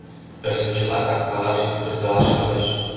Тыште чыла каткалаш, пудыртылаш кӱлеш.